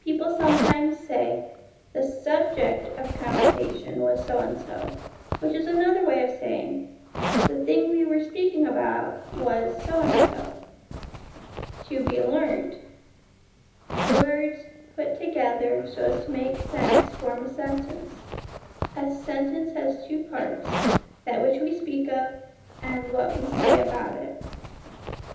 People sometimes say ' the subject of conversation was so and so,' which is another way of saying * the thing we were speaking about was so and so.' To be learnt Words put together so as to make sense form a sentence. A sentence has two parts : that which we speak of, and what we say about it.